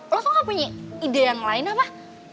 lo tuh gak punya ide yang lain apa